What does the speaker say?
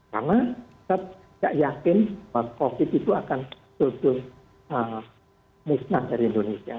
karena kita tidak yakin bahwa covid itu akan berlutut musnah dari indonesia